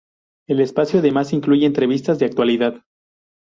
El espacio además incluye entrevistas de actualidad.